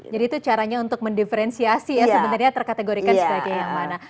jadi itu caranya untuk mendiferensiasi sebenarnya terkategorikan sebagai yang mana